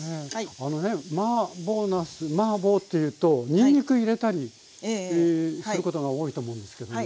あのねマーボーなすマーボーっていうとにんにく入れたりすることが多いと思うんですけども。